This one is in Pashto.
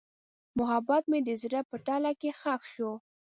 محبت مې د زړه په تله کې ښخ شو.